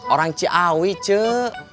orang ciawi cik